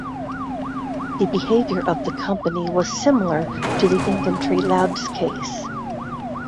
The behaviour of the company was similar to the Infantry Labs case.